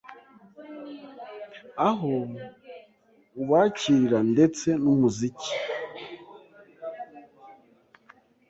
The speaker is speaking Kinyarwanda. aho ubakirira, ndetse n’umuziki.